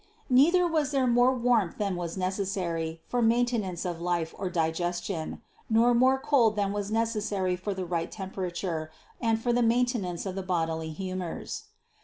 Neither was there more warmth than was necessary for maintenance of life or digestion; nor more cold than was necessary for the right temperature and for the maintenance of the bodily humors.